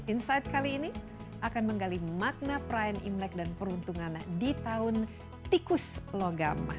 insight kali ini akan menggali makna perayaan imlek dan peruntungan di tahun tikus logam